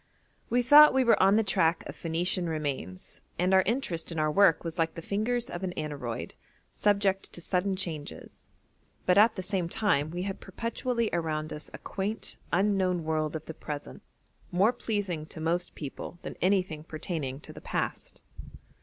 We thought we were on the track of Phoenician remains and our interest in our work was like the fingers of an aneroid, subject to sudden changes, but at the same time we had perpetually around us a quaint, unknown world of the present, more pleasing to most people than anything pertaining to the past.